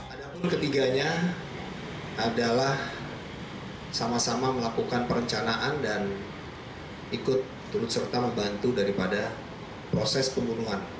ada pun ketiganya adalah sama sama melakukan perencanaan dan ikut turut serta membantu daripada proses pembunuhan